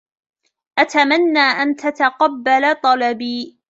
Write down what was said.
أتمنى أن تتقبل طلبي.